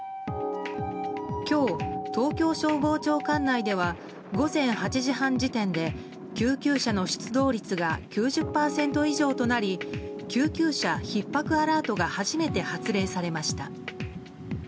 今日、東京消防庁管内では午前８時半時点で救急車の出動率が９０％以上となり救急車ひっ迫アラートが初めて発令されました。